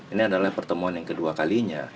ini adalah pertemuan yang kedua kalinya